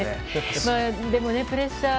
でも、プレッシャー。